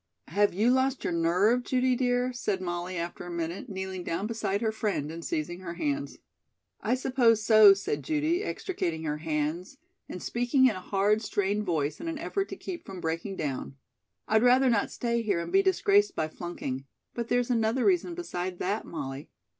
"Have you lost your nerve, Judy, dear?" said Molly, after a minute, kneeling down beside her friend and seizing her hands. "I suppose so," said Judy, extricating her hands, and speaking in a hard, strained voice in an effort to keep from breaking down. "I'd rather not stay here and be disgraced by flunking, but there's another reason beside that, Molly.